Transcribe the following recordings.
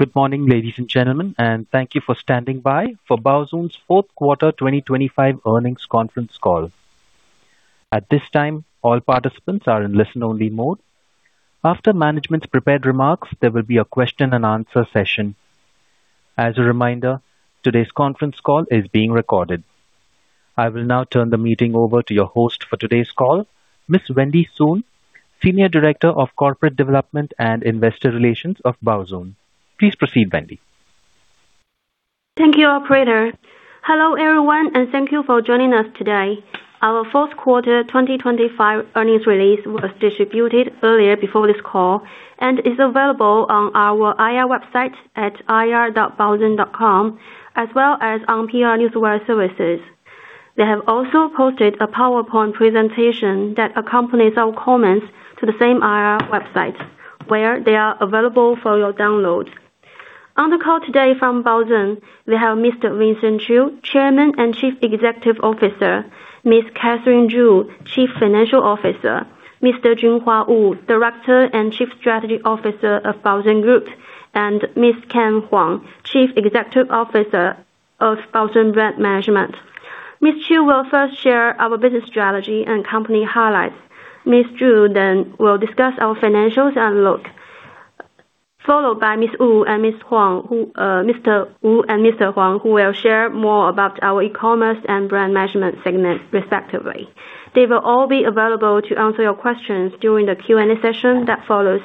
Good morning, ladies and gentlemen, and thank you for standing by for Baozun's fourth quarter 2025 earnings conference call. At this time, all participants are in listen-only mode. After management's prepared remarks, there will be a question and answer session. As a reminder, today's conference call is being recorded. I will now turn the meeting over to your host for today's call, Miss Wendy Sun, Senior Director of Corporate Development and Investor Relations of Baozun. Please proceed, Wendy. Thank you, operator. Hello, everyone, and thank you for joining us today. Our fourth quarter 2025 earnings release was distributed earlier before this call and is available on our IR website at ir.baozun.com, as well as on PR Newswire services. They have also posted a PowerPoint presentation that accompanies our comments to the same IR website, where they are available for your download. On the call today from Baozun, we have Mr. Vincent Qiu, Chairman and Chief Executive Officer, Ms. Catherine Zhu, Chief Financial Officer, Mr. Junhua Wu, Director and Chief Strategy Officer of Baozun Group, and Mr. Ken Huang, Chief Executive Officer of Baozun Brand Management. Mr. Qiu will first share our business strategy and company highlights. Ms. Zhu then will discuss our financials and outlook. Followed by Mr. Wu and Mr. Huang. Huang, who will share more about our e-commerce and brand management segments respectively. They will all be available to answer your questions during the Q&A session that follows.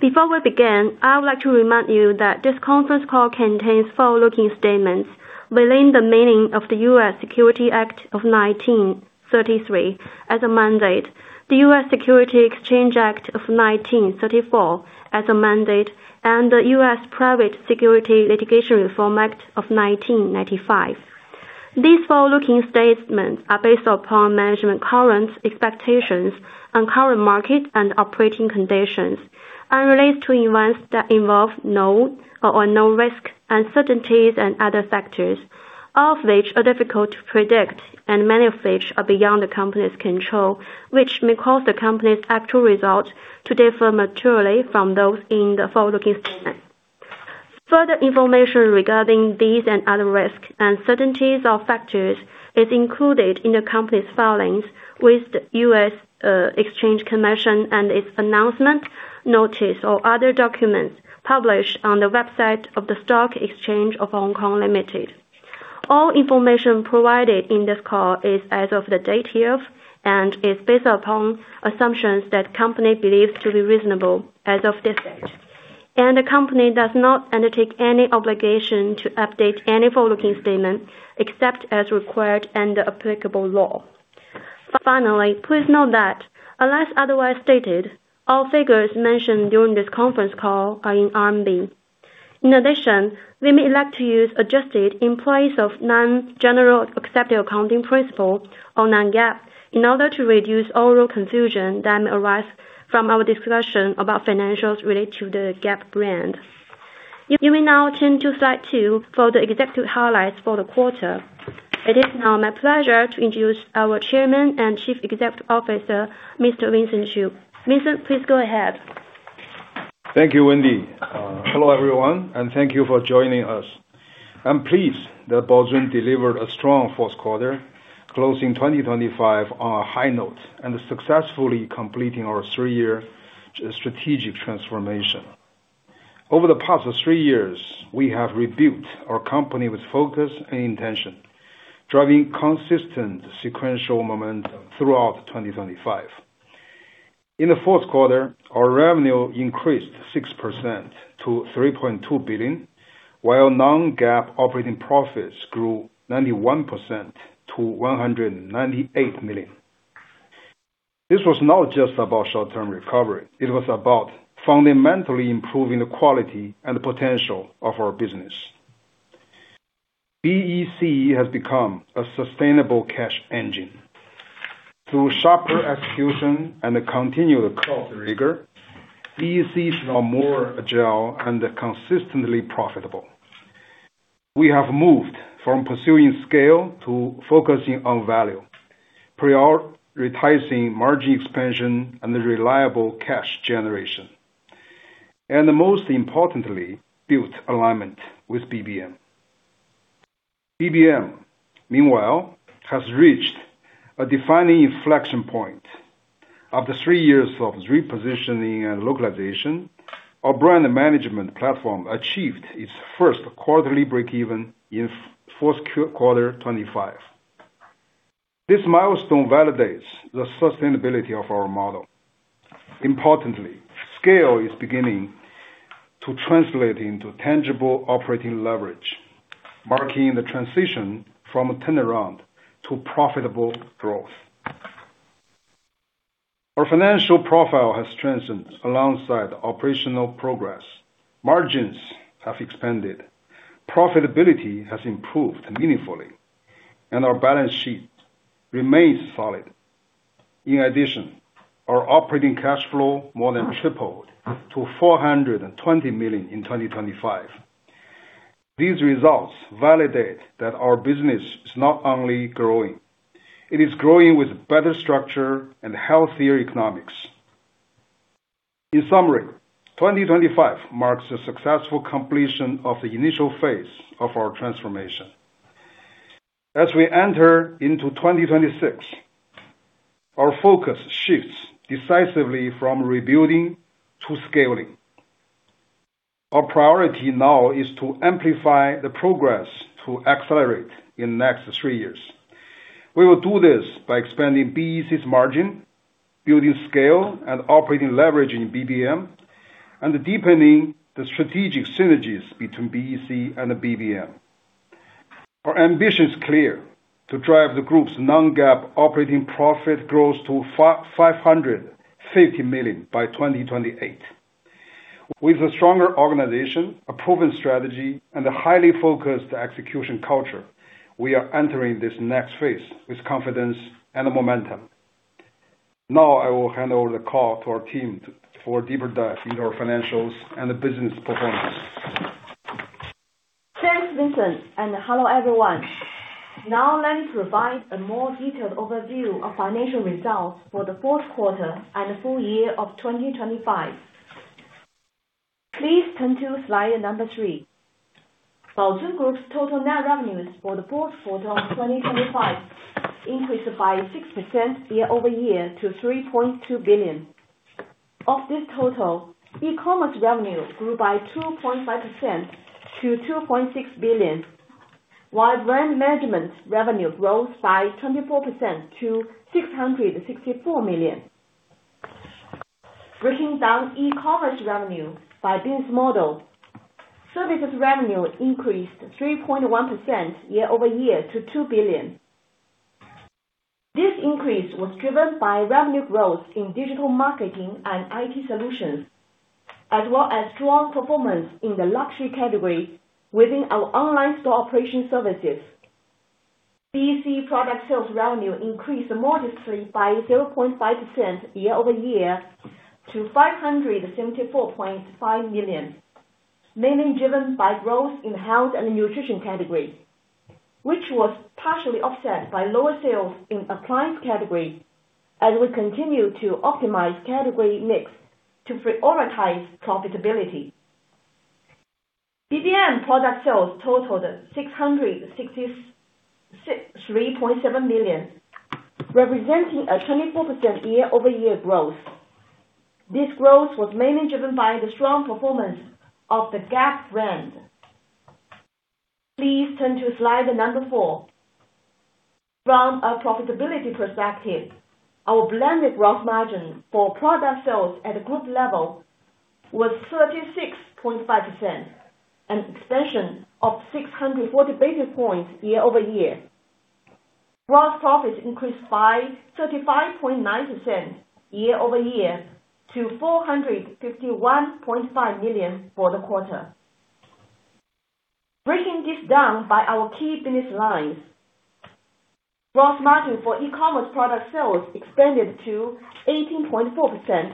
Before we begin, I would like to remind you that this conference call contains forward-looking statements within the meaning of the U.S. Securities Act of 1933 as amended, the U.S. Securities Exchange Act of 1934 as amended, and the U.S. Private Securities Litigation Reform Act of 1995. These forward-looking statements are based upon management's current expectations on current market and operating conditions, and relate to events that involve known or unknown risk, uncertainties and other factors, all of which are difficult to predict and many of which are beyond the company's control, which may cause the company's actual results to differ materially from those in the forward-looking statement. Further information regarding these and other risks, uncertainties or factors is included in the company's filings with the U.S. Securities and Exchange Commission and its announcement, notice, or other documents published on the website of the Stock Exchange of Hong Kong Limited. All information provided in this call is as of the date hereof and is based upon assumptions that the Company believes to be reasonable as of this date. The Company does not undertake any obligation to update any forward-looking statement except as required under applicable law. Finally, please note that unless otherwise stated, all figures mentioned during this conference call are in RMB. In addition, we may like to use adjusted in place of non-Generally Accepted Accounting Principles or non-GAAP, in order to reduce overall confusion that arises from our discussion about financials related to GAAP and non-GAAP. You may now turn to slide two for the executive highlights for the quarter. It is now my pleasure to introduce our Chairman and Chief Executive Officer, Mr. Vincent Qiu. Vincent, please go ahead. Thank you, Wendy. Hello, everyone, and thank you for joining us. I'm pleased that Baozun delivered a strong fourth quarter, closing 2025 on a high note and successfully completing our three-year strategic transformation. Over the past three years, we have rebuilt our company with focus and intention, driving consistent sequential momentum throughout 2025. In the fourth quarter, our revenue increased 6% to 3.2 billion, while non-GAAP operating profits grew 91% to 198 million. This was not just about short-term recovery. It was about fundamentally improving the quality and potential of our business. BEC has become a sustainable cash engine. Through sharper execution and a continued cost rigor, BEC is now more agile and consistently profitable. We have moved from pursuing scale to focusing on value, prioritizing margin expansion and the reliable cash generation. Most importantly, built alignment with BBM. BBM, meanwhile, has reached a defining inflection point. After three years of repositioning and localization, our brand management platform achieved its first quarterly breakeven in fourth quarter 2025. This milestone validates the sustainability of our model. Importantly, scale is beginning to translate into tangible operating leverage, marking the transition from a turnaround to profitable growth. Our financial profile has strengthened alongside operational progress. Margins have expanded, profitability has improved meaningfully, and our balance sheet remains solid. In addition, our operating cash flow more than tripled to 420 million in 2025. These results validate that our business is not only growing, it is growing with better structure and healthier economics. In summary, 2025 marks the successful completion of the initial phase of our transformation. As we enter into 2026, our focus shifts decisively from rebuilding to scaling. Our priority now is to amplify the progress to accelerate in the next three years. We will do this by expanding BEC's margin, building scale and operating leverage in BBM, and deepening the strategic synergies between BEC and BBM. Our ambition is clear to drive the group's non-GAAP operating profit gross to 550 million by 2028. With a stronger organization, a proven strategy, and a highly focused execution culture, we are entering this next phase with confidence and momentum. Now I will hand over the call to our team for a deeper dive into our financials and business performance. Thanks, Vincent, and hello, everyone. Now let me provide a more detailed overview of financial results for the fourth quarter and full year of 2025. Please turn to slide 3. Baozun Group's total net revenues for the fourth quarter of 2025 increased by 6% year-over-year to 3.2 billion. Of this total, e-commerce revenue grew by 2.5% to 2.6 billion, while brand management revenue grows by 24% to 664 million. Breaking down e-commerce revenue by business model, services revenue increased 3.1% year-over-year to 2 billion. This increase was driven by revenue growth in digital marketing and IT solutions, as well as strong performance in the luxury category within our online store operation services. BEC product sales revenue increased modestly by 0.5% year-over-year to 574.5 million, mainly driven by growth in health and nutrition category, which was partially offset by lower sales in appliance category as we continue to optimize category mix to prioritize profitability. BBM product sales totaled 663.7 million, representing a 24% year-over-year growth. This growth was mainly driven by the strong performance of the Gap brand. Please turn to slide four. From a profitability perspective, our blended gross margin for product sales at a group level was 36.5%, an expansion of 640 basis points year-over-year. Gross profit increased by 35.9% year-over-year to 451.5 million for the quarter. Breaking this down by our key business lines, gross margin for e-commerce product sales expanded to 18.4%,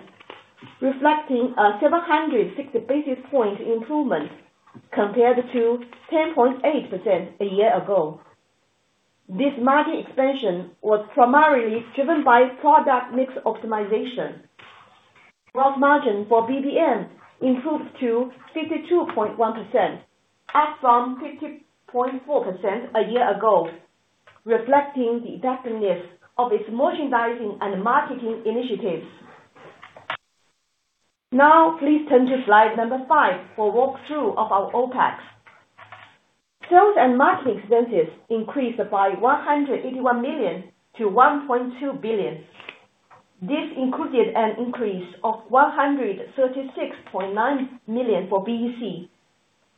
reflecting a 760 basis point improvement compared to 10.8% a year ago. This margin expansion was primarily driven by product mix optimization. Gross margin for BBM improved to 52.1%, up from 50.4% a year ago, reflecting the effectiveness of its merchandising and marketing initiatives. Now please turn to slide number five for a walkthrough of our OpEx. Sales and marketing expenses increased by 181 million to 1.2 billion. This included an increase of 136.9 million for BEC,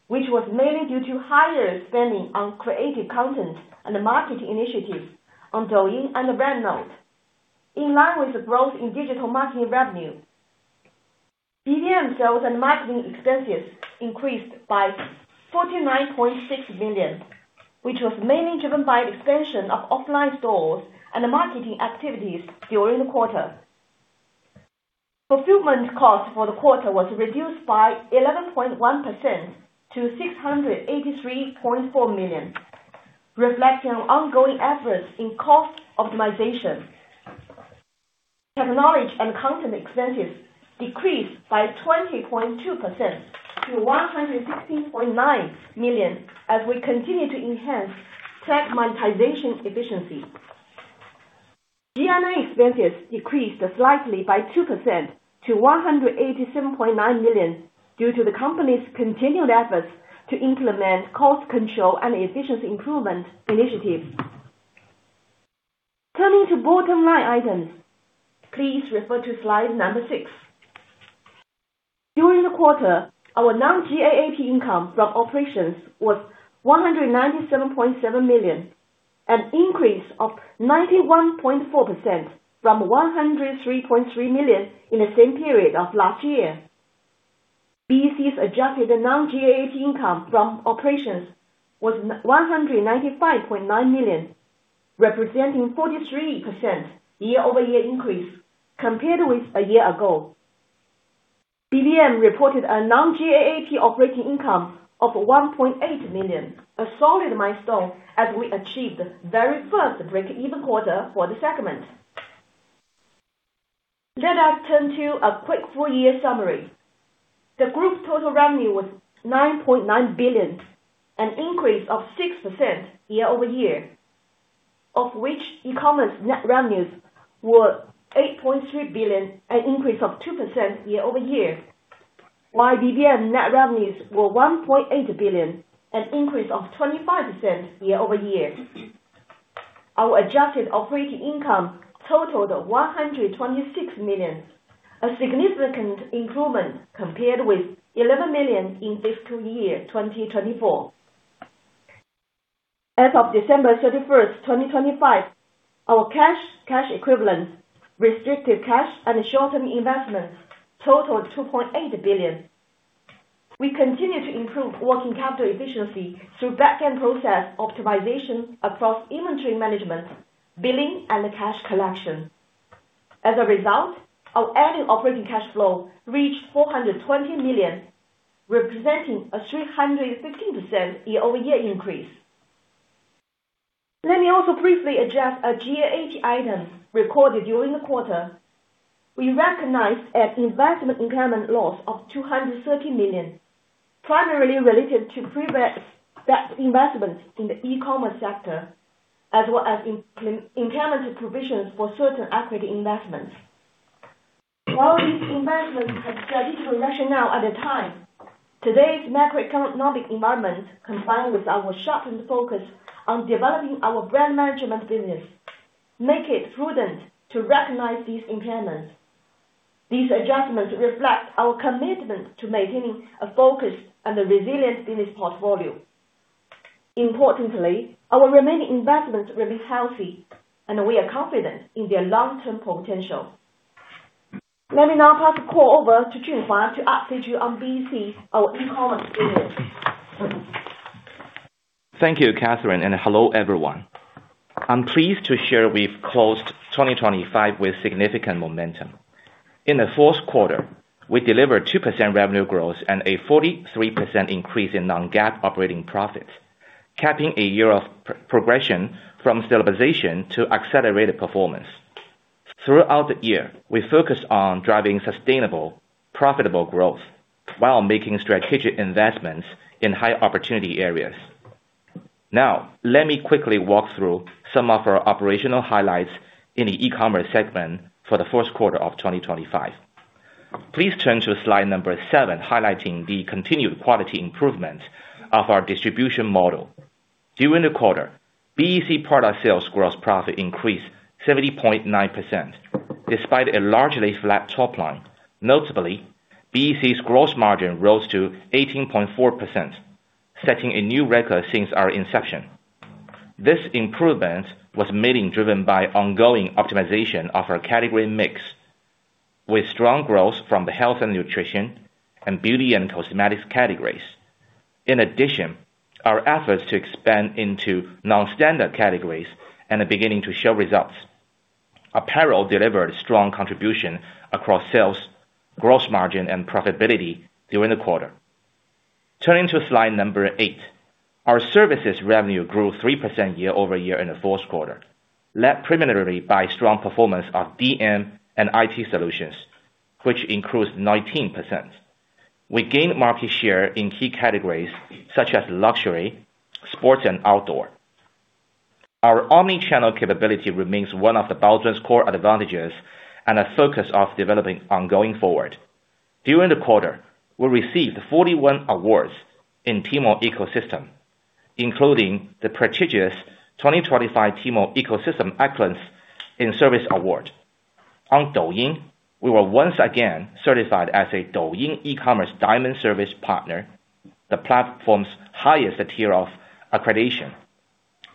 which was mainly due to higher spending on creative content and marketing initiatives on Douyin and Brandnote, in line with the growth in digital marketing revenue. BBM sales and marketing expenses increased by 49.6 million, which was mainly driven by the expansion of offline stores and the marketing activities during the quarter. Fulfillment costs for the quarter was reduced by 11.1% to 683.4 million, reflecting our ongoing efforts in cost optimization. Technology and content expenses decreased by 20.2% to 160.9 million as we continue to enhance tech monetization efficiency. G&A expenses decreased slightly by 2% to 187.9 million due to the company's continued efforts to implement cost control and efficiency improvement initiatives. Turning to bottom line items, please refer to slide six. During the quarter, our non-GAAP income from operations was 197.7 million, an increase of 91.4% from 103.3 million in the same period of last year. BEC's adjusted non-GAAP income from operations was 195.9 million, representing 43% year-over-year increase compared with a year ago. BBM reported a non-GAAP operating income of 1.8 million, a solid milestone as we achieved the very first break-even quarter for the segment. Let us turn to a quick full year summary. The group's total revenue was 9.9 billion, an increase of 6% year-over-year, of which e-commerce net revenues were 8.3 billion, an increase of 2% year-over-year, while BBM net revenues were 1.8 billion, an increase of 25% year-over-year. Our adjusted operating income totaled 126 million, a significant improvement compared with 11 million in fiscal year 2024. As of December 31, 2025, our cash equivalents, restricted cash and short-term investments totaled 2.8 billion. We continue to improve working capital efficiency through back-end process optimization across inventory management, billing and the cash collection. As a result, our annual operating cash flow reached 420 million, representing a 315% year-over-year increase. Let me also briefly address our GAAP items recorded during the quarter. We recognized an investment impairment loss of 230 million, primarily related to previous debt investments in the e-commerce sector, as well as impairment provisions for certain equity investments. While these investments had strategic rationale at the time, today's macroeconomic environment, combined with our sharpened focus on developing our brand management business, make it prudent to recognize these impairments. These adjustments reflect our commitment to maintaining a focus and a resilient business portfolio. Importantly, our remaining investments remain healthy and we are confident in their long-term potential. Let me now pass the call over to Junhua Wu to update you on BEC, our e-commerce business. Thank you, Catherine, and hello, everyone. I'm pleased to share we've closed 2025 with significant momentum. In the fourth quarter, we delivered 2% revenue gross and a 43% increase in non-GAAP operating profits, capping a year of progression from stabilization to accelerated performance. Throughout the year, we focused on driving sustainable, profitable growth while making strategic investments in high opportunity areas. Now, let me quickly walk through some of our operational highlights in the e-commerce segment for the fourth quarter of 2025. Please turn to slide seven, highlighting the continued quality improvements of our distribution model. During the quarter, BEC product sales gross profit increased 70.9% despite a largely flat top line. Notably, BEC's gross margin rose to 18.4%, setting a new record since our inception. This improvement was mainly driven by ongoing optimization of our category mix with strong growth from the health and nutrition and beauty and cosmetics categories. In addition, our efforts to expand into non-standard categories and are beginning to show results. Apparel delivered strong contribution across sales, gross margin, and profitability during the quarter. Turning to slide eight. Our services revenue grew 3% year-over-year in the fourth quarter, led primarily by strong performance of DM and IT solutions, which includes 19%. We gained market share in key categories such as luxury, sports and outdoor. Our omni-channel capability remains one of the Baozun's core advantages and a focus of developing ongoing forward. During the quarter, we received 41 awards in Tmall ecosystem, including the prestigious 2025 Tmall Ecosystem Excellence in Service Award. On Douyin, we were once again certified as a Douyin E-commerce Diamond service partner, the platform's highest tier of accreditation.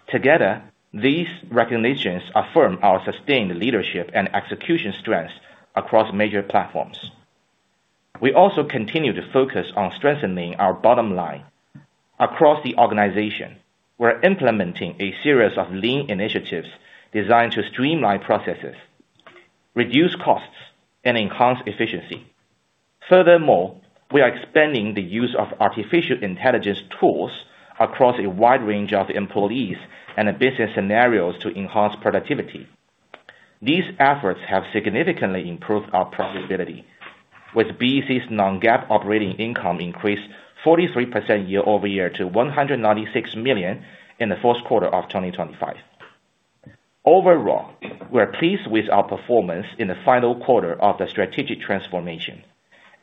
Together, these recognitions affirm our sustained leadership and execution strength across major platforms. We also continue to focus on strengthening our bottom line. Across the organization, we're implementing a series of lean initiatives designed to streamline processes, reduce costs, and enhance efficiency. Furthermore, we are expanding the use of artificial intelligence tools across a wide range of employees and business scenarios to enhance productivity. These efforts have significantly improved our profitability, with BEC's non-GAAP operating income increase 43% year-over-year to 196 million in the fourth quarter of 2025. Overall, we're pleased with our performance in the final quarter of the strategic transformation,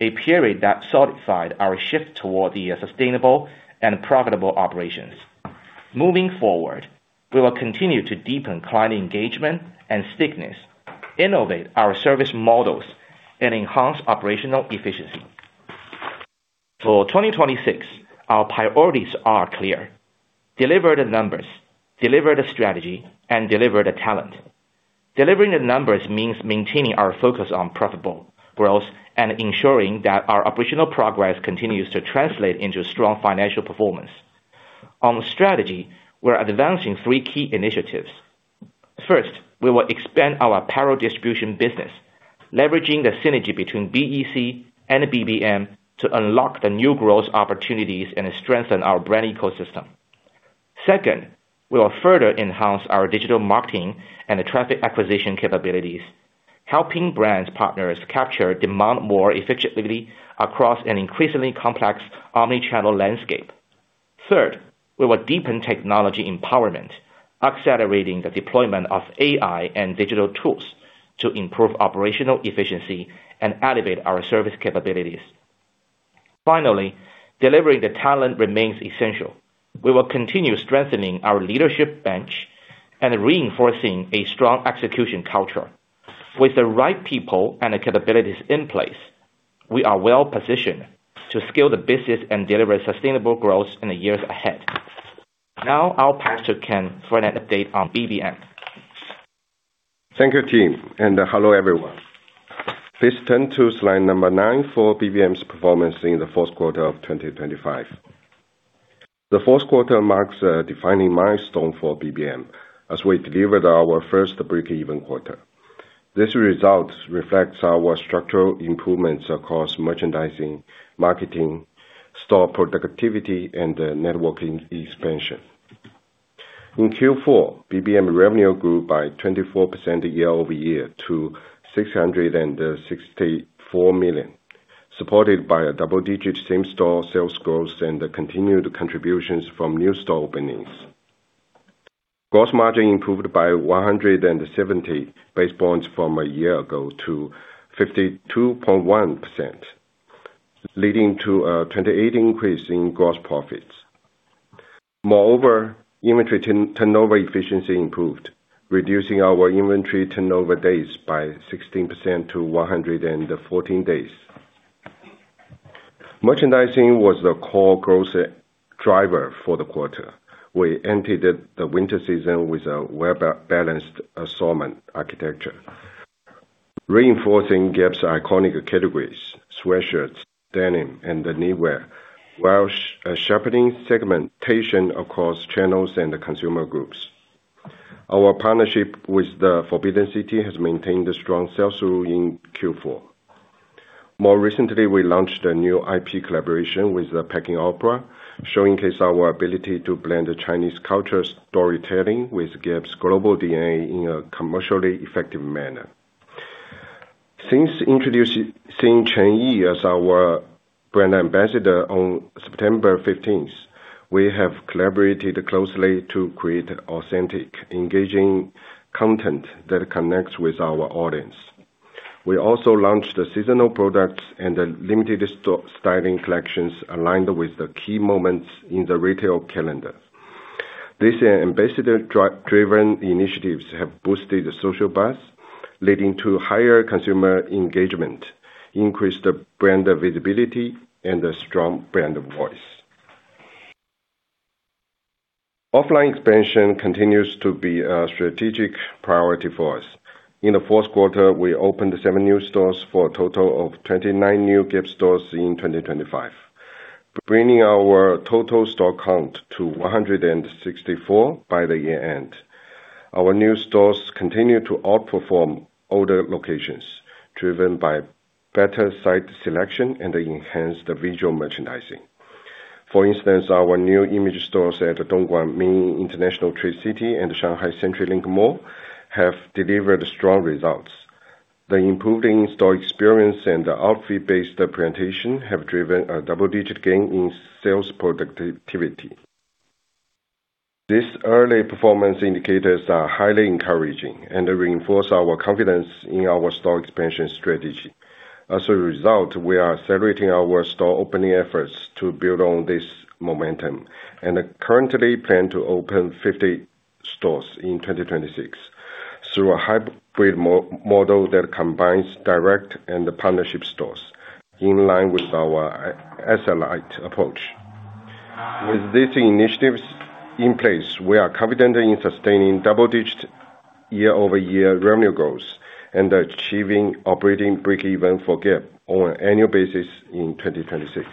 a period that solidified our shift toward the sustainable and profitable operations. Moving forward, we will continue to deepen client engagement and stickiness, innovate our service models, and enhance operational efficiency. For 2026, our priorities are clear. Deliver the numbers, deliver the strategy, and deliver the talent. Delivering the numbers means maintaining our focus on profitable gross and ensuring that our operational progress continues to translate into strong financial performance. On the strategy, we're advancing three key initiatives. First, we will expand our apparel distribution business, leveraging the synergy between BEC and BBM to unlock the new growth opportunities and strengthen our brand ecosystem. Second, we will further enhance our digital marketing and traffic acquisition capabilities, helping brand partners capture demand more efficiently across an increasingly complex omni-channel landscape. Third, we will deepen technology empowerment, accelerating the deployment of AI and digital tools to improve operational efficiency and elevate our service capabilities. Finally, delivering the talent remains essential. We will continue strengthening our leadership bench and reinforcing a strong execution culture. With the right people and the capabilities in place, we are well-positioned to scale the business and deliver sustainable growth in the years ahead. Now, our partner Ken for an update on BBM. Thank you, team, and hello everyone. Please turn to slide number nine for BBM's performance in the fourth quarter of 2025. The fourth quarter marks a defining milestone for BBM as we delivered our first breakeven quarter. This result reflects our structural improvements across merchandising, marketing, store productivity and networking expansion. In Q4, BBM revenue grew by 24% year-over-year to 664 million, supported by a double-digit same-store sales gross and the continued contributions from new store openings. Gross margin improved by 170 basis points from a year ago to 52.1%, leading to a 28% increase in gross profits. Moreover, inventory turnover efficiency improved, reducing our inventory turnover days by 16% to 114 days. Merchandising was the core growth driver for the quarter. We entered the winter season with a well-balanced assortment architecture, reinforcing Gap's iconic categories, sweatshirts, denim, and knitwear, while sharpening segmentation across channels and consumer groups. Our partnership with the Forbidden City has maintained a strong sell-through in Q4. More recently, we launched a new IP collaboration with the Peking Opera, showcasing our ability to blend the Chinese cultural storytelling with Gap's global DNA in a commercially effective manner. Since introducing Cheng Yi as our brand ambassador on September 15th, we have collaborated closely to create authentic, engaging content that connects with our audience. We also launched the seasonal products and the limited store styling collections aligned with the key moments in the retail calendar. This ambassador-driven initiatives have boosted the social buzz, leading to higher consumer engagement, increased brand visibility, and a strong brand voice. Offline expansion continues to be a strategic priority for us. In the fourth quarter, we opened seven new stores for a total of 29 new Gap stores in 2025, bringing our total store count to 164 by the year-end. Our new stores continue to outperform older locations, driven by better site selection and enhanced visual merchandising. For instance, our new image stores at Dongguan International Trade Center and Shanghai Century Link Mall have delivered strong results. The improved in-store experience and the outfit-based presentation have driven a double-digit gain in sales productivity. These early performance indicators are highly encouraging and reinforce our confidence in our store expansion strategy. As a result, we are accelerating our store opening efforts to build on this momentum and currently plan to open 50 stores in 2026 through a hybrid model that combines direct and partnership stores in line with our SLI approach. With these initiatives in place, we are confident in sustaining double-digit year-over-year revenue goals and achieving operating breakeven for Gap on an annual basis in 2026.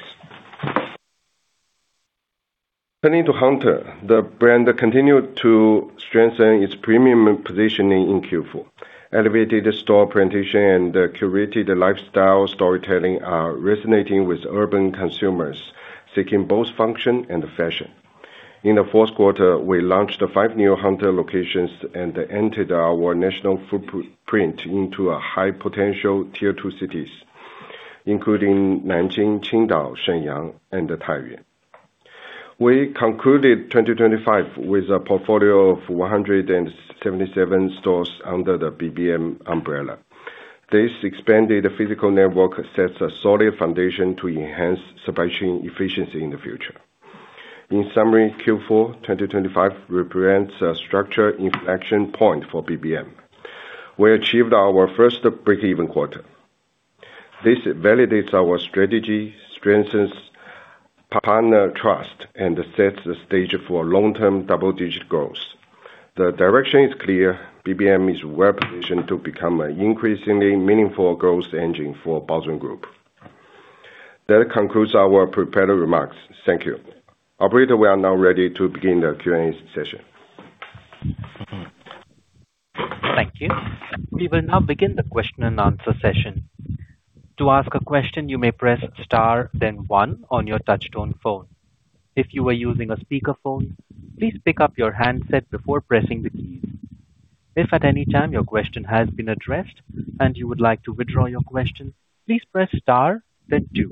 Turning to Hunter, the brand continued to strengthen its premium positioning in Q4. Elevated store presentation and curated lifestyle storytelling are resonating with urban consumers seeking both function and fashion. In the fourth quarter, we launched five new Hunter locations and entered our national footprint into a high-potential tier two cities, including Nanjing, Qingdao, Shenyang, and Taiyuan. We concluded 2025 with a portfolio of 177 stores under the BBM umbrella. This expanded physical network sets a solid foundation to enhance supply chain efficiency in the future. In summary, Q4 2025 represents a structural inflection point for BBM. We achieved our first breakeven quarter. This validates our strategy, strengthens partner trust, and sets the stage for long-term double-digit growth. The direction is clear. BBM is well-positioned to become an increasingly meaningful growth engine for Baozun Group. That concludes our prepared remarks. Thank you. Operator, we are now ready to begin the Q&A session. Thank you. We will now begin the question and answer session. To ask a question, you may press star then one on your touchtone phone. If you are using a speaker phone, please pick up your handset before pressing the keys. If at any time your question has been addressed and you would like to withdraw your question, please press star then two.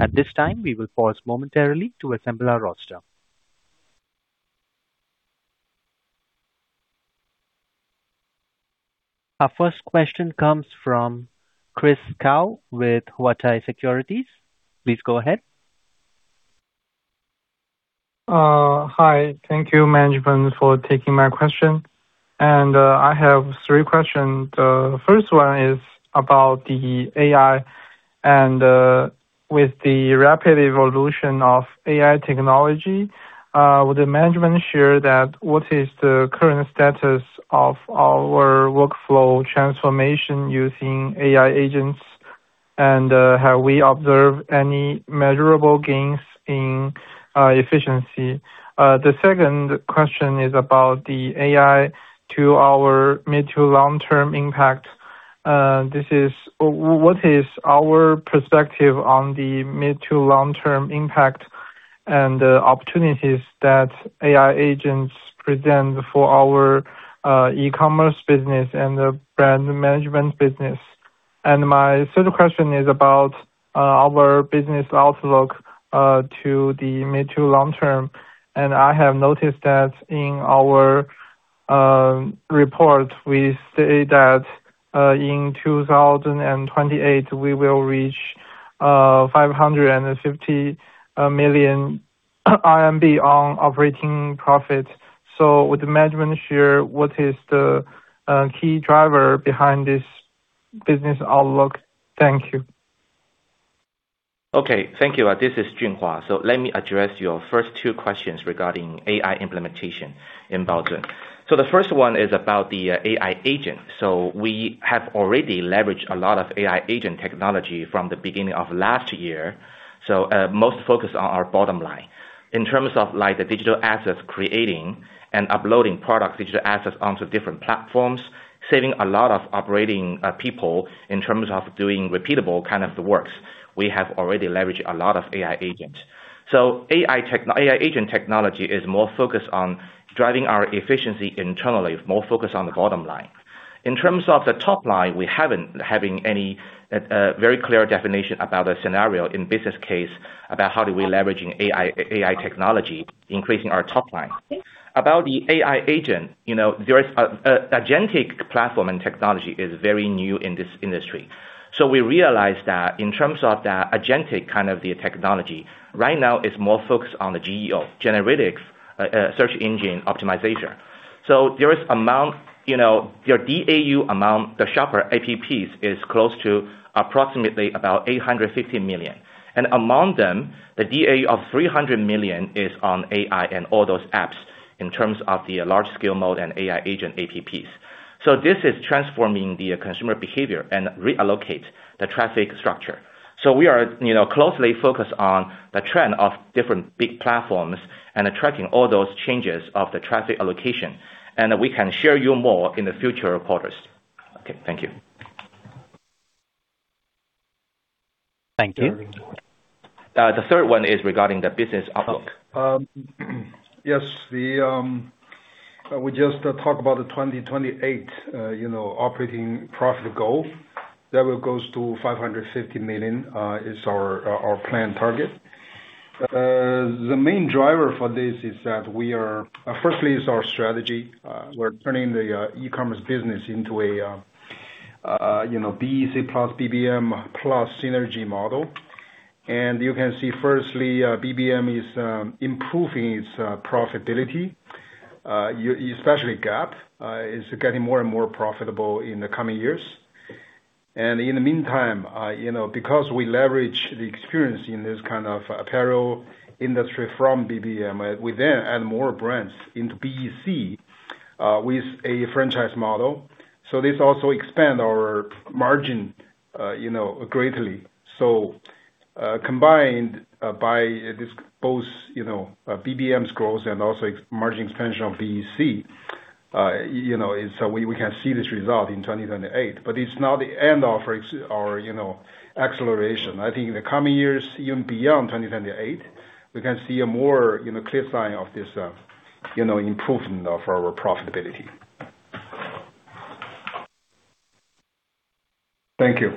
At this time, we will pause momentarily to assemble our roster. Our first question comes from Chao Xue with Huatai Securities. Please go ahead. Hi. Thank you management for taking my question. I have three questions. The first one is about the AI and with the rapid evolution of AI technology would the management share that what is the current status of our workflow transformation using AI agents and have we observed any measurable gains in efficiency? The second question is about the AI to our mid to long term impact. What is our perspective on the mid to long term impact and the opportunities that AI agents present for our e-commerce business and the brand management business? My third question is about our business outlook to the mid to long term. I have noticed that in our report, we say that in 2028 we will reach 550 million RMB on operating profit. Would the management share what is the key driver behind this business outlook? Thank you. Okay. Thank you. This is Junhua. Let me address your first two questions regarding AI implementation in Baozun. The first one is about the AI agent. We have already leveraged a lot of AI agent technology from the beginning of last year. Most focus on our bottom line. In terms of like the digital assets creating and uploading product digital assets onto different platforms, saving a lot of operating people in terms of doing repeatable kind of the works, we have already leveraged a lot of AI agent. AI agent technology is more focused on driving our efficiency internally, more focused on the bottom line. In terms of the top line, we haven't having any very clear definition about a scenario in business case about how do we leveraging AI technology, increasing our top line. About the AI agent, you know, there is an agentic platform and technology is very new in this industry. We realize that in terms of the agentic kind of the technology, right now it's more focused on the GEO, Generative Engine Optimization. There is an amount, you know, your DAU amount, the shopper apps is close to approximately about 850 million. Among them, the DAU of 300 million is on AI and all those apps in terms of the large-scale model and AI agent apps. This is transforming the consumer behavior and reallocate the traffic structure. We are, you know, closely focused on the trend of different big platforms and adapting to all those changes of the traffic allocation, and we can share with you more in the future quarters. Okay. Thank you. Thank you. The third one is regarding the business outlook. Yes. We just talked about the 2028 operating profit goal that will goes to 550 million is our planned target. The main driver for this is that we are firstly, it's our strategy. We're turning the e-commerce business into a BEC plus BBM plus synergy model. You can see firstly, BBM is improving its profitability, especially Gap is getting more and more profitable in the coming years. In the meantime, you know, because we leverage the experience in this kind of apparel industry from BBM, we then add more brands into BEC with a franchise model. This also expand our margin greatly. Combined by this both, you know, BBM's growth and also margin expansion of BEC, you know, is so we can see this result in 2028. But it's not the end of acceleration. I think in the coming years, even beyond 2028, we can see a more, you know, clear sign of this, you know, improvement of our profitability. Thank you.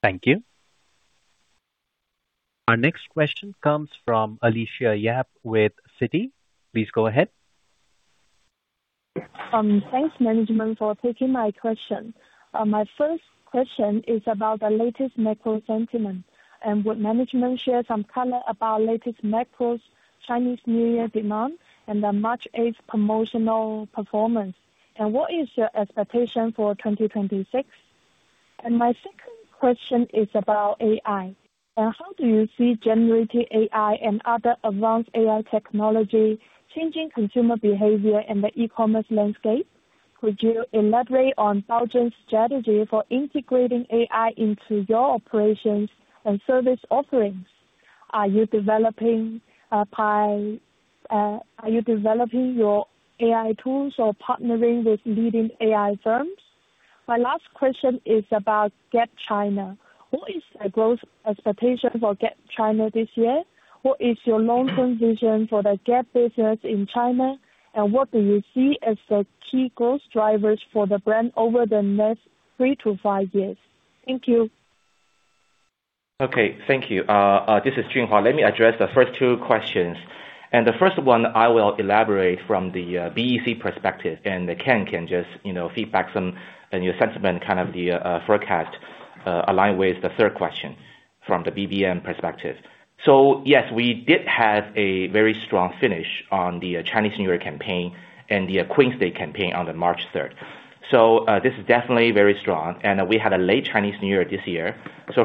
Thank you. Our next question comes from Alicia Yap with Citi. Please go ahead. Thanks, management, for taking my question. My first question is about the latest macro sentiment and would management share some color about latest macros Chinese New Year demand and the March 8th promotional performance. What is your expectation for 2026? My second question is about AI. How do you see generative AI and other advanced AI technology changing consumer behavior in the e-commerce landscape? Could you elaborate on Baozun's strategy for integrating AI into your operations and service offerings? Are you developing your AI tools or partnering with leading AI firms? My last question is about Gap China. What is the growth expectation for Gap China this year? What is your long-term vision for the Gap business in China? What do you see as the key growth drivers for the brand over the next three to five years? Thank you. Okay. Thank you. This is Junhua Wu. Let me address the first two questions. The first one I will elaborate from the BEC perspective, and Ken Huang can just, you know, feedback some new sentiment, kind of the forecast, aligned with the third question from the BBM perspective. Yes, we did have a very strong finish on the Chinese New Year campaign and the Queen's Day campaign on March 8. This is definitely very strong. We had a late Chinese New Year this year.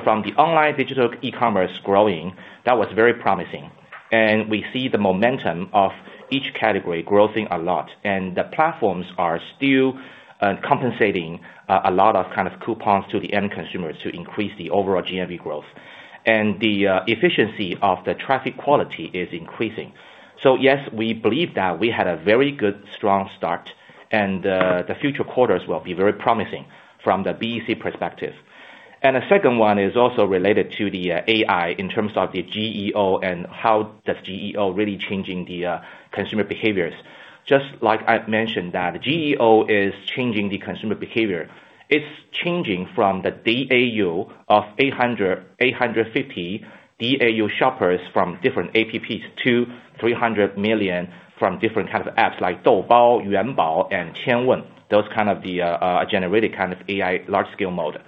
From the online digital e-commerce growing, that was very promising. We see the momentum of each category growing a lot. The platforms are still compensating a lot of kind of coupons to the end consumers to increase the overall GMV growth. The efficiency of the traffic quality is increasing. Yes, we believe that we had a very good strong start, and the future quarters will be very promising from the BEC perspective. The second one is also related to the AI in terms of the GEO and how does GEO really changing the consumer behaviors. Just like I mentioned that GEO is changing the consumer behavior. It's changing from the DAU of 850 DAU shoppers from different apps to 300 million from different kind of apps like Doubao, Yuanbao, and Tiangong. Those kind of the generated kind of AI large-scale model.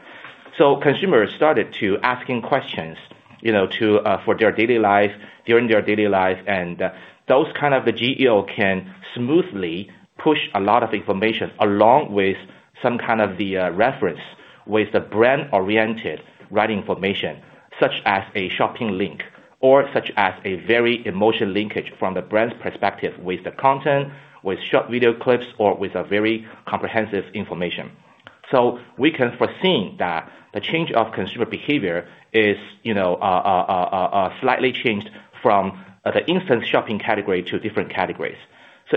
Consumers started to asking questions, you know, to for their daily life, during their daily life, and those kind of the GEO can smoothly push a lot of information along with some kind of the reference with the brand-oriented right information, such as a shopping link or such as a very emotional linkage from the brand's perspective with the content, with short video clips or with a very comprehensive information. We can foresee that the change of consumer behavior is, you know, slightly changed from the instant shopping category to different categories.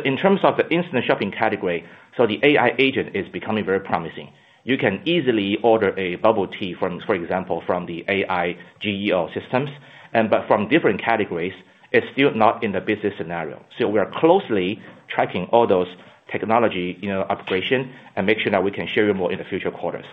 In terms of the instant shopping category, the AI agent is becoming very promising. You can easily order a bubble tea from, for example, the AI GEO systems. But from different categories, it's still not in the business scenario. We are closely tracking all those technologies, operations and make sure that we can share more in the future quarters.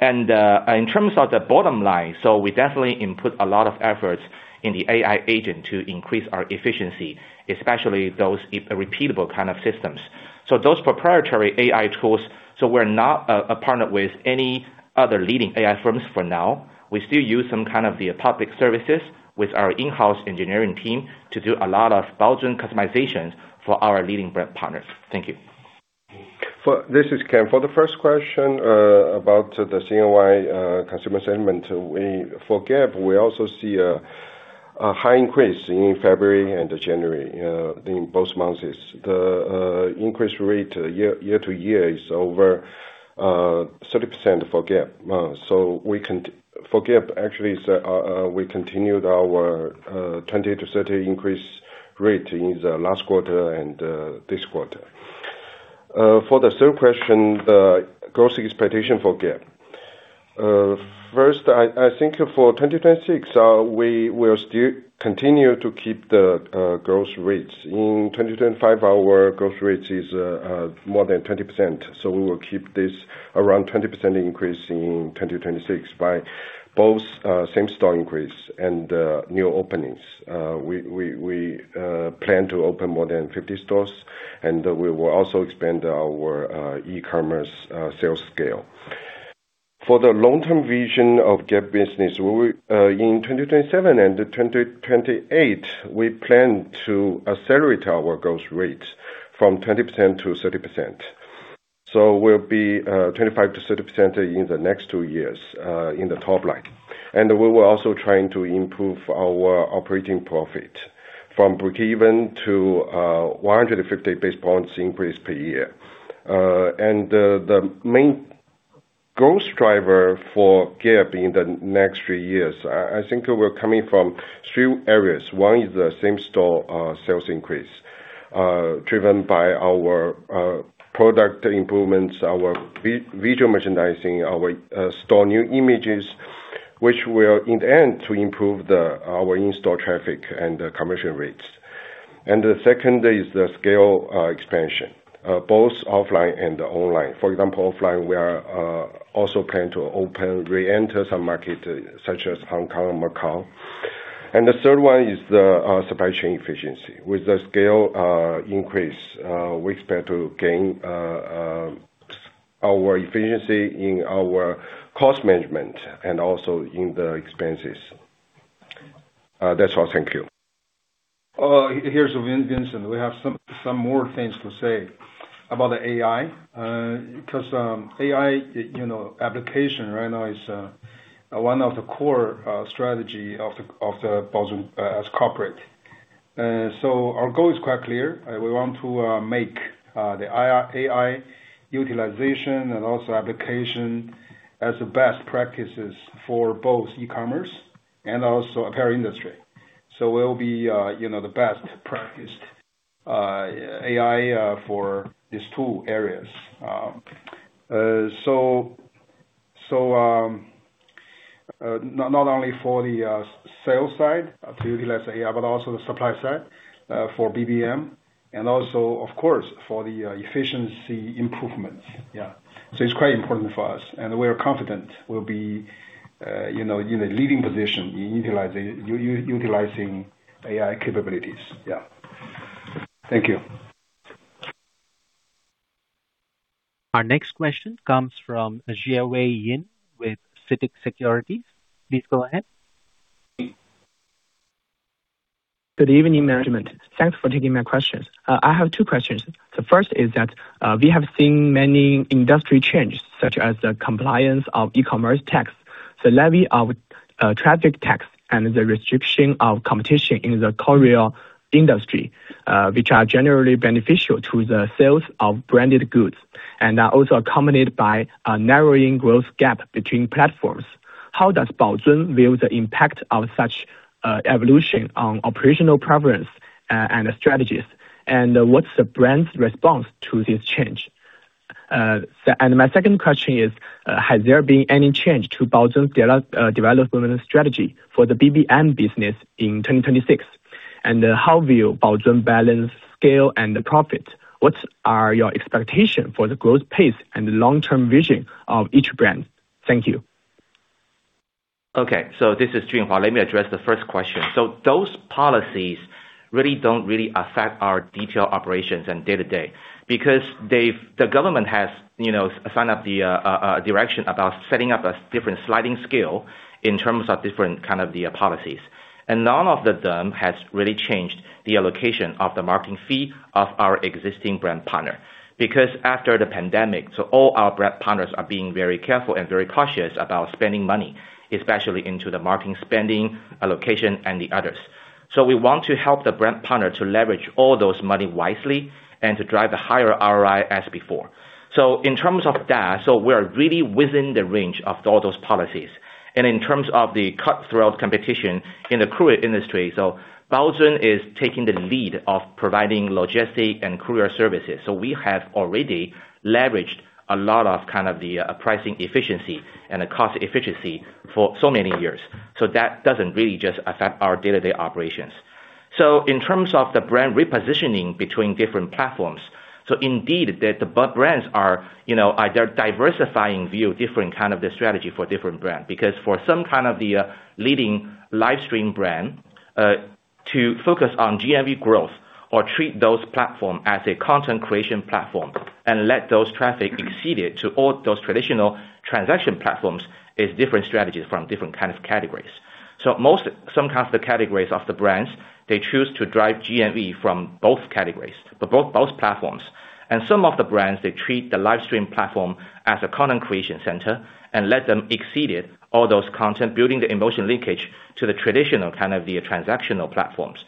In terms of the bottom line, we definitely put a lot of effort in the AI agents to increase our efficiency, especially those repeatable kinds of systems. Those proprietary AI tools, we're not a partner with any other leading AI firms for now. We still use some kind of public services with our in-house engineering team to do a lot of Baozun customizations for our leading brand partners. Thank you. This is Ken. For the first question, about the CNY consumer sentiment, we for Gap also see a high increase in February and January in both months. The increase rate year-to-year is over 30% for Gap. For Gap actually, we continued our 20%-30% increase rate in the last quarter and this quarter. For the third question, the growth expectation for Gap. First, I think for 2026, we will still continue to keep the growth rates. In 2025, our growth rate is more than 20%, so we will keep this around 20% increase in 2026 by both same-store increase and new openings. We plan to open more than 50 stores and we will also expand our e-commerce sales scale. For the long-term vision of Gap business, we in 2027 and 2028 plan to accelerate our growth rate from 20% to 30%. We'll be 25%-30% in the next two years in the top line. We will also try to improve our operating profit from breakeven to 150 basis points increase per year. The main growth driver for Gap in the next three years, I think it will come from three areas. One is the same-store sales increase driven by our product improvements, our visual merchandising, our store new images, which will in the end to improve our in-store traffic and the commission rates. The second is the scale expansion both offline and online. For example, offline, we also plan to re-enter some markets such as Hong Kong and Macau. The third one is the supply chain efficiency. With the scale increase, we expect to gain our efficiency in our cost management and also in the expenses. That's all. Thank you. Here's Vincent Qiu. We have some more things to say about the AI. Because AI, you know, application right now is one of the core strategy of the Baozun as corporate. Our goal is quite clear. We want to make the AI utilization and also application as the best practices for both e-commerce and also apparel industry. We'll be, you know, the best practiced AI for these two areas. Not only for the sales side to utilize AI, but also the supply side for BBM and also of course, for the efficiency improvements. Yeah. It's quite important for us, and we are confident we'll be, you know, in a leading position in utilizing AI capabilities. Yeah. Thank you. Our next question comes from Yin Jiawei with CICC Securities. Please go ahead. Good evening, management. Thanks for taking my questions. I have two questions. The first is that we have seen many industry changes, such as the compliance of e-commerce tax, the levy of traffic tax, and the restriction of competition in the courier industry, which are generally beneficial to the sales of branded goods, and are also accompanied by a narrowing growth gap between platforms. How does Baozun view the impact of such evolution on operational preference and strategies? And what's the brand's response to this change? My second question is, has there been any change to Baozun's development strategy for the BBM business in 2026? And how will Baozun balance scale and the profit? What are your expectation for the growth pace and long-term vision of each brand? Thank you. Okay. This is Junhua. Let me address the first question. Those policies really don't affect our detailed operations and day-to-day, because the government has, you know, signaled the direction about setting up a different sliding scale in terms of different kind of the policies. None of them has really changed the allocation of the marketing fee of our existing brand partner. Because after the pandemic, all our brand partners are being very careful and very cautious about spending money, especially into the marketing spending, allocation, and the others. We want to help the brand partner to leverage all those money wisely and to drive a higher ROI as before. In terms of that, we're really within the range of all those policies. In terms of the cutthroat competition in the courier industry, Baozun is taking the lead of providing logistics and courier services. We have already leveraged a lot of kind of the pricing efficiency and the cost efficiency for so many years. That doesn't really just affect our day-to-day operations. In terms of the brand repositioning between different platforms, indeed the brands are, you know, either diversifying via different kind of the strategy for different brand, because for some kind of the leading live stream brand to focus on GMV growth or treat those platform as a content creation platform and let those traffic redirected to all those traditional transaction platforms is different strategies for different kind of categories. Some kinds of the categories of the brands, they choose to drive GMV from both categories, both platforms. Some of the brands, they treat the live stream platform as a content creation center and let them export it, all those content, building the emotional linkage to the traditional kind of the transactional platforms.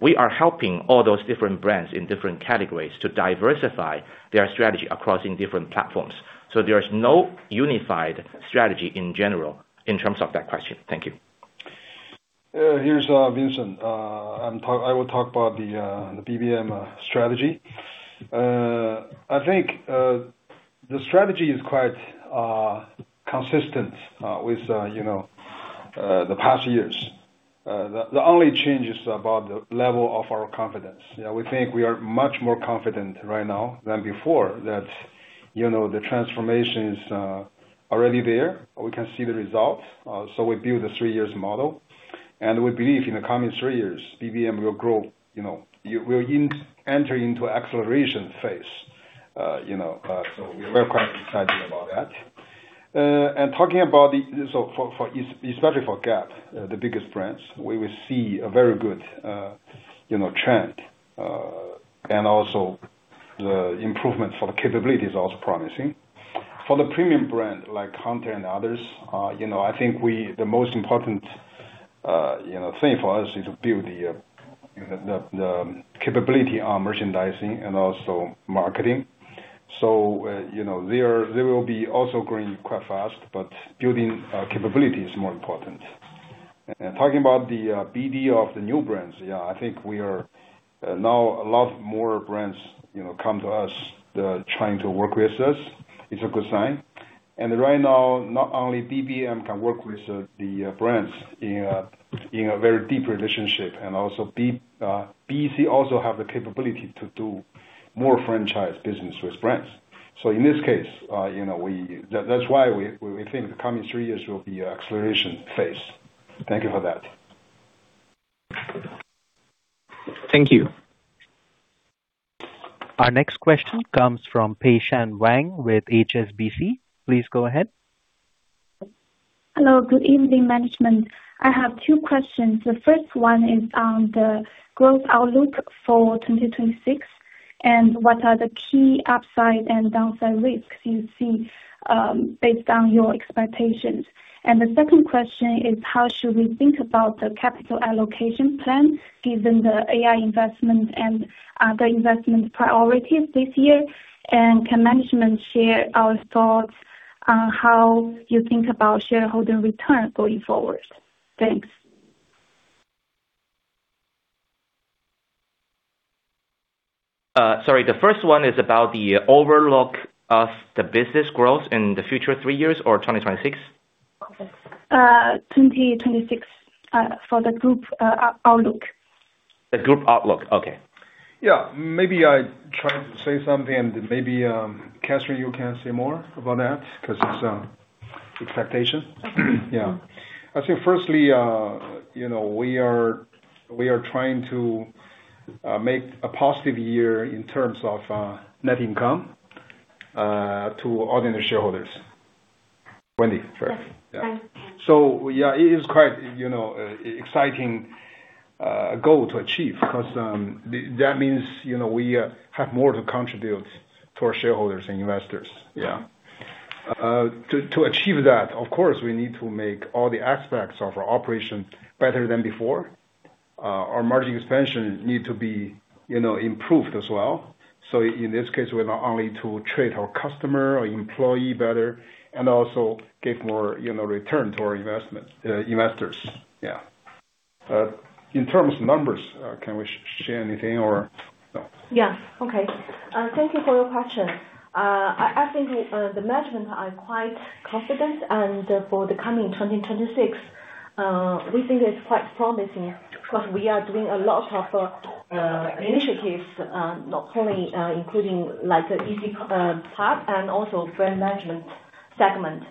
We are helping all those different brands in different categories to diversify their strategy across in different platforms. There's no unified strategy in general in terms of that question. Thank you. Here's Vincent. I will talk about the BBM strategy. I think the strategy is quite consistent with you know the past years. The only change is about the level of our confidence. Yeah, we think we are much more confident right now than before that you know the transformation is already there. We can see the results. We build a three years model, and we believe in the coming three years, BBM will grow. You know, it will enter into acceleration phase. You know, we're quite excited about that. Talking about, especially for Gap, the biggest brands, we will see a very good you know trend, and also the improvement for the capability is also promising. For the premium brand like Hunter and others, you know, I think the most important thing for us is to build the capability on merchandising and also marketing. You know, they will be also growing quite fast, but building capability is more important. Talking about the BD of the new brands, yeah, I think now a lot more brands, you know, come to us. They're trying to work with us. It's a good sign. Right now, not only BBM can work with the brands in a very deep relationship and also BEC also have the capability to do more franchise business with brands. In this case, that's why we think the coming three years will be acceleration phase. Thank you for that. Thank you. Our next question comes from Peishan Wang with HSBC. Please go ahead. Hello. Good evening, management. I have two questions. The first one is on the growth outlook for 2026, and what are the key upside and downside risks you see, based on your expectations? The second question is how should we think about the capital allocation plan given the AI investment and other investment priorities this year? Can management share our thoughts on how you think about shareholder return going forward? Thanks. Sorry, the first one is about the outlook of the business growth in the future three years or 2026? 2026 for the group outlook. The group outlook. Okay. Yeah. Maybe I try to say something and maybe, Catherine, you can say more about that because it's expectation. Yeah. I think firstly, you know, we are trying to make a positive year in terms of net income to ordinary shareholders. Wendy? Yes. It is quite exciting goal to achieve because that means we have more to contribute to our shareholders and investors. To achieve that, of course, we need to make all the aspects of our operation better than before. Our margin expansion need to be improved as well. In this case, we're not only to treat our customer or employee better and also give more return to our investors. In terms of numbers, can we share anything or no? Yeah. Okay. Thank you for your question. I think the management are quite confident and for the coming 2026, we think it's quite promising because we are doing a lot of initiatives, not only including like the BEC part and also brand management segment.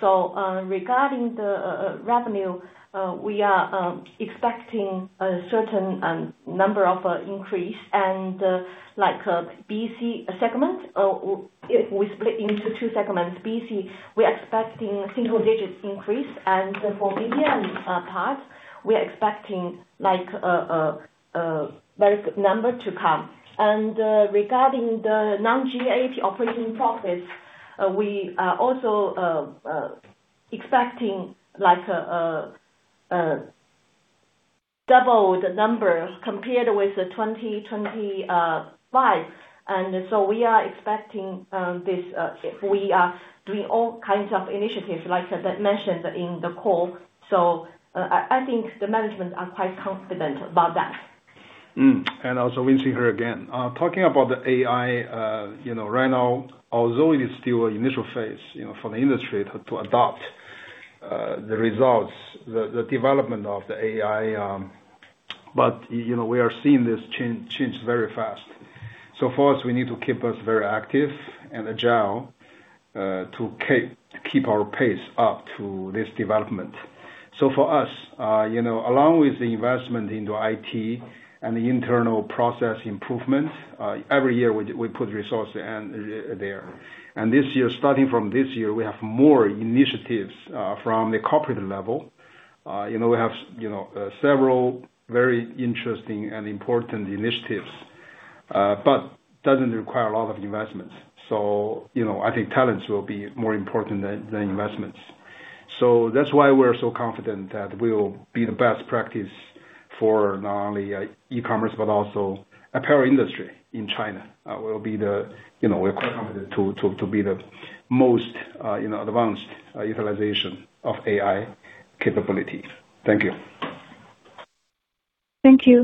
Regarding the revenue, we are expecting a certain number of increase and like BEC segment or we split into two segments. BEC, we're expecting single digits increase. For BBM part, we are expecting like a very good number to come. Regarding the non-GAAP operating profits, we are also expecting like double the numbers compared with the 2025. We are doing all kinds of initiatives like as I mentioned in the call. I think the management are quite confident about that. Also we see here again, talking about the AI, you know, right now, although it is still initial phase, you know, for the industry to adopt, the results, the development of the AI, but, you know, we are seeing this change very fast. For us, we need to keep us very active and agile, to keep our pace up to this development. For us, you know, along with the investment into IT and the internal process improvement, every year we put resource and there. This year, starting from this year, we have more initiatives from the corporate level. You know, we have several very interesting and important initiatives, but doesn't require a lot of investments. You know, I think talents will be more important than investments. That's why we're so confident that we'll be the best practice for not only e-commerce but also apparel industry in China. You know, we're quite confident to be the most you know advanced utilization of AI capabilities. Thank you. Thank you.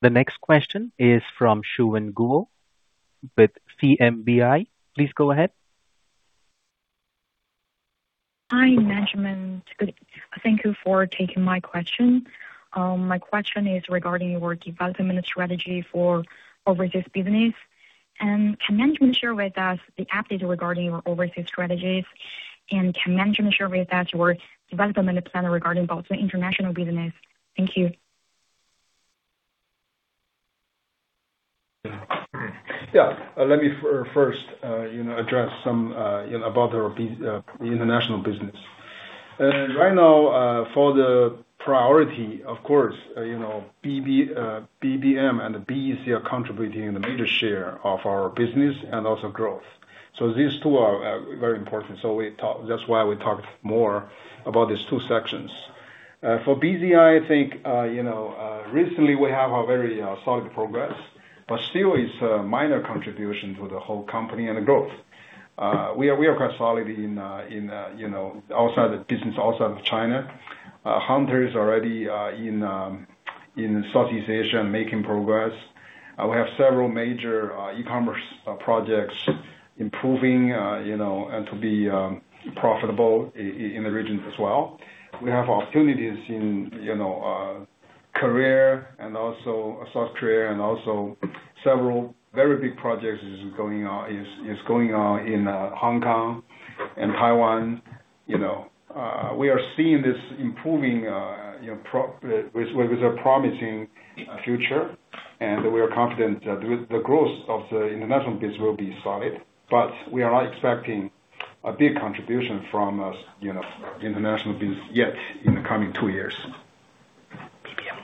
The next question is from Shuwen Guo with CMBI. Please go ahead. Hi, management. Thank you for taking my question. My question is regarding your development strategy for overseas business. Can management share with us the update regarding your overseas strategies? Can management share with us your development plan regarding about the international business? Thank you. Yeah. Let me first, you know, address some, you know, about the international business. Right now, for the priority of course, you know, BBM and BEC are contributing the major share of our business and also growth. These two are very important. We talk, that's why we talked more about these two sections. For BZI, I think, you know, recently we have a very solid progress, but still it's a minor contribution to the whole company and the growth. We are quite solid in, you know, outside the business, outside of China. Hunter is already in Southeast Asia making progress. We have several major e-commerce projects improving, you know, and to be profitable in the region as well. We have opportunities in, you know, Korea and also South Korea and also several very big projects is going on in Hong Kong and Taiwan. You know, we are seeing this improving, you know, with a promising future, and we are confident that the growth of the international business will be solid, but we are not expecting a big contribution from our international business yet in the coming two years. BBM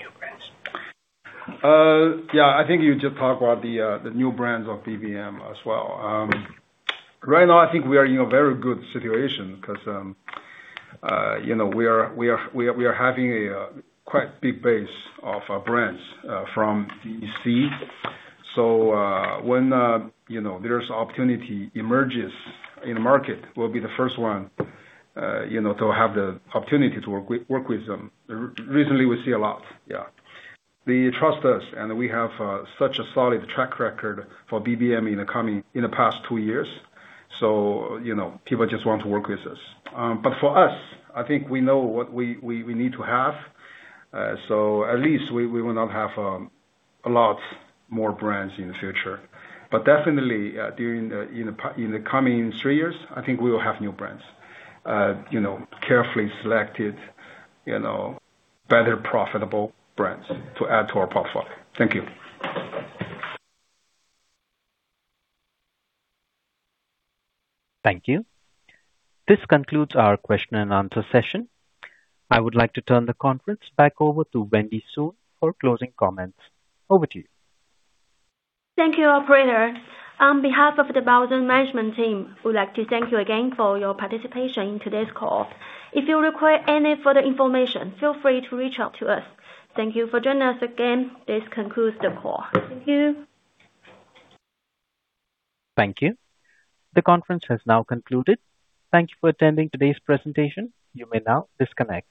new brands. Yeah. I think you just talked about the new brands of BBM as well. Right now I think we are in a very good situation 'cause, you know, we are having a quite big base of our brands from BEC. So when you know, there's opportunity emerges in the market, we'll be the first one you know, to have the opportunity to work with them. Recently we see a lot, yeah. They trust us, and we have such a solid track record for BBM in the past two years, so you know, people just want to work with us. For us, I think we know what we need to have, so at least we will not have a lot more brands in the future. Definitely, during the coming three years, I think we will have new brands. You know, carefully selected, you know, better profitable brands to add to our portfolio. Thank you. Thank you. This concludes our question and answer session. I would like to turn the conference back over to Wendy Sun for closing comments. Over to you. Thank you, operator. On behalf of the Baozun management team, we'd like to thank you again for your participation in today's call. If you require any further information, feel free to reach out to us. Thank you for joining us again. This concludes the call. Thank you. Thank you. The conference has now concluded. Thank you for attending today's presentation. You may now disconnect.